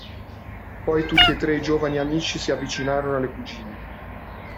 Poi tutti e tre i giovani amici si avvicinarono alle cugine.